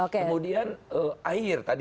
kemudian air tadi